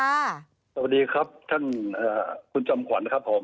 สวัสดีครับท่านคุณจอมขวัญครับผม